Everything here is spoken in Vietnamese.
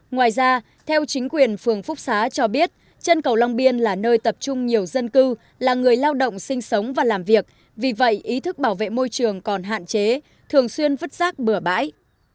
ngoài ra theo chính quyền phường phúc xá cho biết trân cầu long biên là nơi tập trung nhiều dân cư là người lao động sinh sống và làm việc vì vậy ý thức bảo vệ môi trường còn hạn chế thường xuyên vứt rác bửa bãi